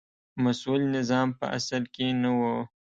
مسوول نظام په اصل کې نه و.